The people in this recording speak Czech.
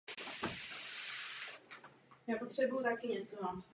Projevuje se hned po narození.